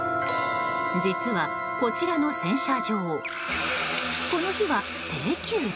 実は、こちらの洗車場この日は定休日。